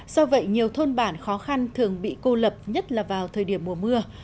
do vậy nhiều thôn bản khó khăn thường bị cô lập nhất là vào thời điểm mùa mưa